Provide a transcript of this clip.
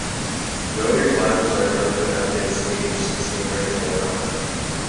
No revivals are known to have been staged since the original run.